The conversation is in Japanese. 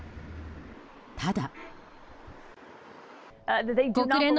ただ。